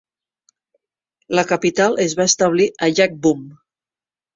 La capital es va establir a Yagbum.